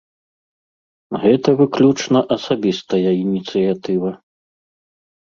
Гэта выключна асабістая ініцыятыва.